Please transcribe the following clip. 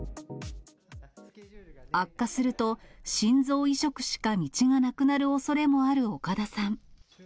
悪化すると、心臓移植しか道がなくなるおそれもある岡田さん。